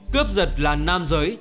cướp giật là nam giới